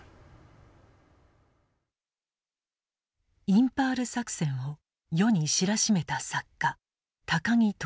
インパール作戦を世に知らしめた作家高木俊朗。